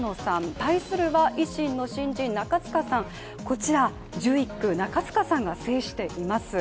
対するは維新の新人、中司さん、こちら１１区、中司さんが制しています。